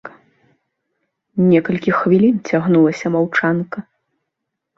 Некалькі хвілін цягнулася маўчанка.